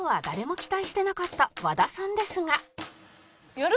「やる？」